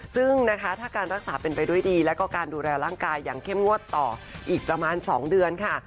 ซึ่งนะคะถ้าการรักษาเป็นไปด้วยดีแล้วก็การดูแลร่างกายอย่างเข้มงวดต่ออีกประมาณ๒เดือนค่ะ